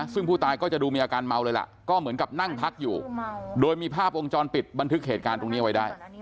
ซึ่งผู้ตายก็จะดูมีอาการเมาเลยล่ะก็เหมือนกับนั่งพักอยู่โดยมีภาพวงจรปิดบันทึกเหตุการณ์ตรงนี้เอาไว้ได้